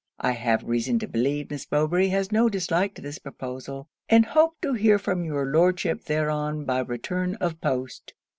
'I have reason to believe Miss Mowbray has no dislike to this proposal; and hope to hear from your Lordship thereon by return of post.